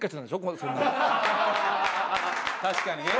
確かにね。